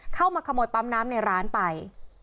เข้ามาขโมยปั๊มน้ำในร้านไป